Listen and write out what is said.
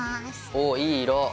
おおいい色。